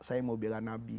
saya mau bela nabi